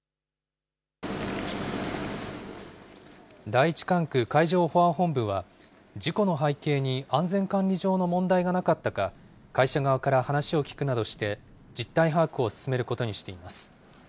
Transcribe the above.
第１管区海上保安本部は、事故の背景に安全管理上の問題がなかったか、会社側から話を聞くなどして実態把握を進めることにしています。